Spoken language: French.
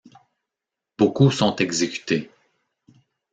Beaucoup sont exécutés.